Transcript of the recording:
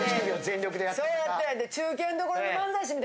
そうやった。